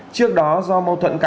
trước đó do mâu thuẫn cánh sát